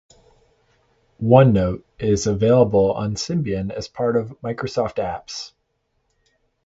OneNote is available on Symbian as part of Microsoft Apps.